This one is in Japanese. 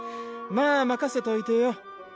まぁまかせといてよ